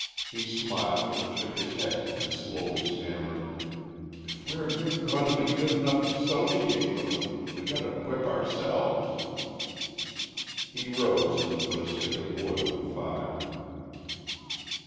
He smiled and shook his head and slowly stammered, "If we're g goin't' be g good'nough t' 's sociate with them we got t' wh whip ourselves." He rose and put a stick of wood on the fire.